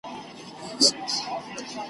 په خوب په ویښه به دریادېږم `